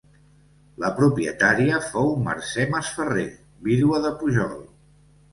La propietària fou Mercè Masferrer, vídua de Pujol.